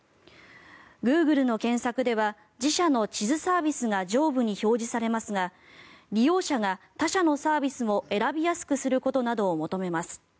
グーグルの検索では自社の地図サービスが上部に表示されますが利用者が他社のサービスも選びやすくすることなどを求めます。